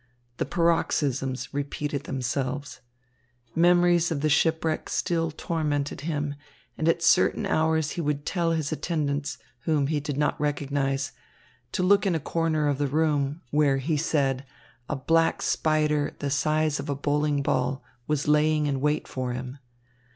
The paroxysms repeated themselves. Memories of the shipwreck still tormented him, and at certain hours he would tell his attendants, whom he did not recognise, to look in a corner of the room, where, he said, a black spider, the size of a bowling ball, was lying in wait for him.